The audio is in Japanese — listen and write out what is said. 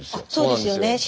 あそうですよね。